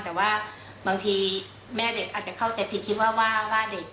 แต่ว่าบางทีแม่เด็กอาจจะเข้าใจผิดคิดว่าว่าเด็ก